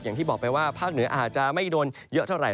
อย่างที่บอกไปว่าภาคเหนืออาจจะไม่โดนเยอะเท่าไหร